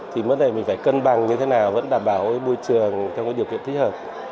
thì vấn đề mình phải cân bằng như thế nào vẫn đảm bảo môi trường theo điều kiện thích hợp